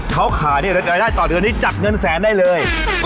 เขาขายเนี่ยรายได้ต่อเดือนนี้จับเงินแสนได้เลย